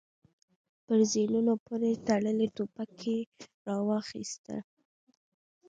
پر زينونو پورې تړلې ټوپکې يې را واخيستې.